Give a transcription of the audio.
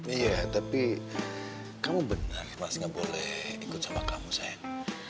iya tapi kamu benar mas gak boleh ikut sama kamu sayang